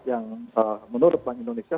yang menurut bank indonesia